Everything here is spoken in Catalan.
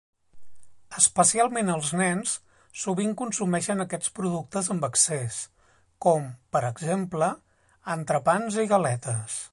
Especialment els nens sovint consumeixen aquests productes amb excés, com, per exemple, entrepans i galetes.